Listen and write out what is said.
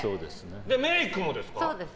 メイクもですか？